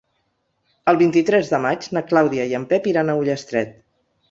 El vint-i-tres de maig na Clàudia i en Pep iran a Ullastret.